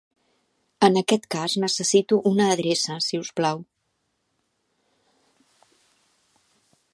En aquest cas necessito una adreça, si us plau.